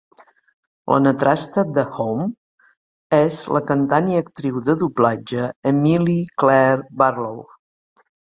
La netastra de Homme és la cantant i actriu de doblatge Emilie-Claire Barlow.